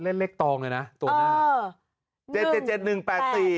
เล่นเลขตองเลยนะตัวหน้า